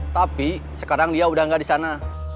tapi sekarang dia udah gak disana